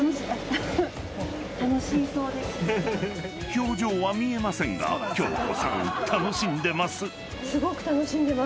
［表情は見えませんが恭子さん楽しんでます］